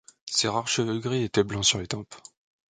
Ses rares cheveux gris étaient blancs sur les tempes.